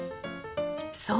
そう！